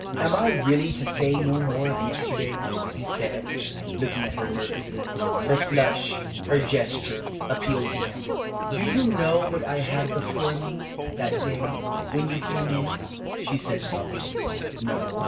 "Am I really to say no more of yesterday?" he said, looking at her nervously. Her flush, her gesture, appealed to him. "Do you know what I had before me that day when you came in?" she said, softly. "No.